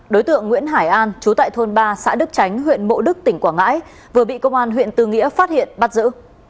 đối tượng nguyễn hải an chú tại thôn ba xã đức tránh huyện mộ đức tỉnh quảng ngãi vừa bị công an huyện tư nghĩa phát hiện bắt giữ